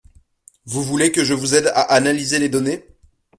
Vous voulez que je vous aide à analyser les données?